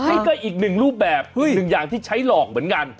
นี่ก็อีกหนึ่งรูปแบบหนึ่งอย่างที่ใช้หลอกเหมือนกัน